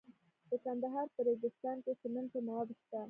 د کندهار په ریګستان کې د سمنټو مواد شته.